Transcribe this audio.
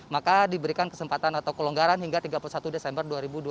maka diberikan kesempatan atau kelonggaran hingga tiga puluh satu desember dua ribu dua puluh